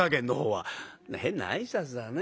「変な挨拶だね。